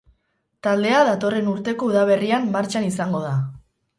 Taldea datorren urteko udaberrian martxan izango da.